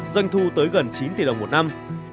doanh thu tới gần chín tỷ đồng một năm